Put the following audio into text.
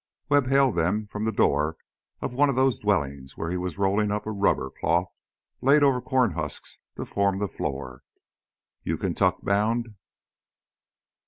Webb hailed them from the door of one of those dwellings where he was rolling up the rubber cloth laid over corn husks to form the floor. "You Kaintuck bound?"